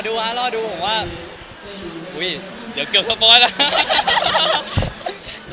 รอดูว่าได้รอดูผมว่าอุ๊ยเดี๋ยวเกือบปล่อยละ